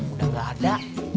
udah gak ada